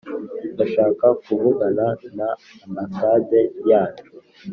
ndashaka kuvugana na ambasade yacu.